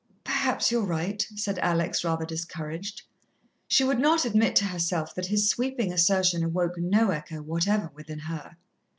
"Perhaps you're right," said Alex, rather discouraged. She would not admit to herself that his sweeping assertion awoke no echo whatever within her.